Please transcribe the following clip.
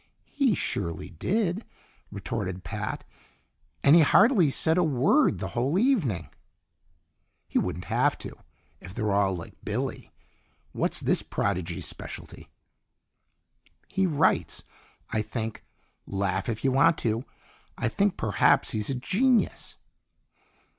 "He surely did!" retorted Pat. "And he hardly said a word the whole evening." "He wouldn't have to, if they're all like Billy! What's this prodigy's specialty?" "He writes. I think laugh if you want to! I think perhaps he's a genius."